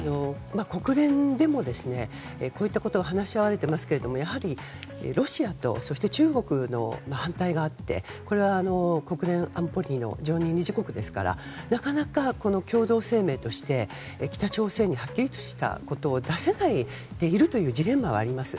国連でも、こういったことを話し合われていますがやはりロシアと中国の反対があってこれは、国連安保理の常任理事国ですからなかなか共同声明として北朝鮮にはっきりしたことを出せないでいるというジレンマはあると思います。